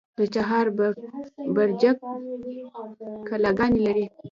د چهار برجک کلاګانې لري